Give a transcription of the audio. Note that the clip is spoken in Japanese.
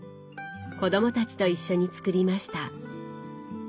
子どもたちと一緒に作りました。